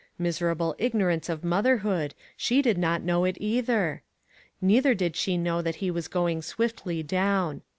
Miserable ignorance of moth erhood ! She did not know it either. Neither did she know that he was going swiftly down.